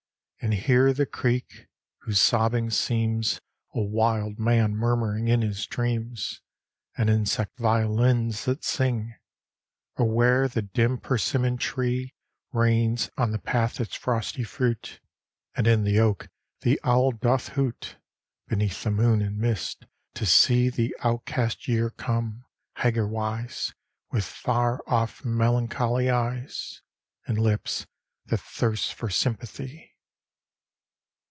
And hear the creek, whose sobbing seems A wild man murmuring in his dreams, And insect violins that sing! Or where the dim persimmon tree Rains on the path its frosty fruit, And in the oak the owl doth hoot, Beneath the moon and mist, to see The outcast Year come, Hagar wise, With far off, melancholy eyes, And lips that thirst for sympathy!